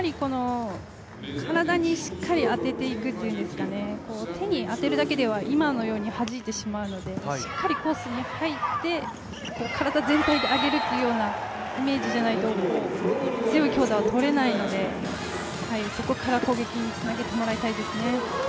体にしっかり当てていくというんですかね、手に当てるだけでは今のようにはじいてしまうのでしっかりコースに入って、体全体で上げるっていうようなイメージじゃないと強い強打は取れないんで、そこから攻撃につなげてもらいたいですね。